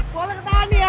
boleh ketawa nih ya